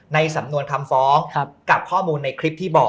ในสำนวนคำฟ้องกับข้อมูลในคลิปที่บอก